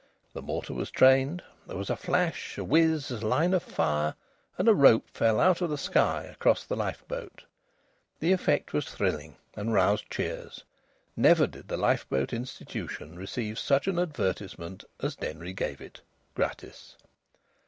The mortar was trained; there was a flash, a whizz, a line of fire, and a rope fell out of the sky across the lifeboat. The effect was thrilling and roused cheers. Never did the Lifeboat Institution receive such an advertisement as Denry gave it gratis.